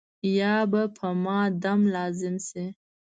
یا به په ما دم لازم شي.